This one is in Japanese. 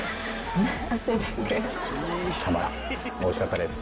おいしかったです。